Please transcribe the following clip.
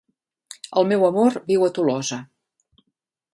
El meu amor viu a Tolosa.